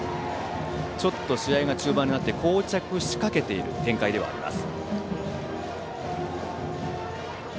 ちょっと試合が中盤になってこう着しかけている展開ではあります。